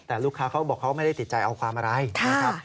แต่ลูกค้าเขาบอกเขาไม่ได้ติดใจเอาความอะไรนะครับ